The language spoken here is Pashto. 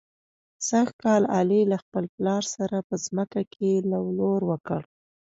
سږ کال علي له خپل پلار سره په ځمکه کې لو لور وکړ.